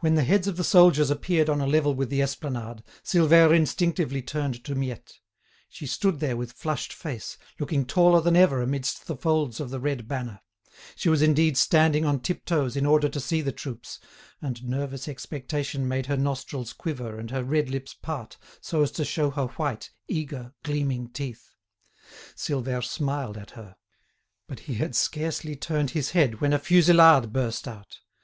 When the heads of the soldiers appeared on a level with the esplanade, Silvère instinctively turned to Miette. She stood there with flushed face, looking taller than ever amidst the folds of the red banner; she was indeed standing on tiptoes in order to see the troops, and nervous expectation made her nostrils quiver and her red lips part so as to show her white, eager, gleaming teeth. Silvère smiled at her. But he had scarcely turned his head when a fusillade burst out.